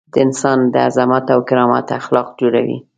د انسان د عظمت او کرامت اخلاق جوړوي.